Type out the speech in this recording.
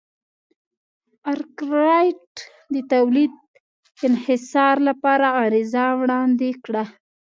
ارکرایټ د تولید انحصار لپاره عریضه وړاندې کړه.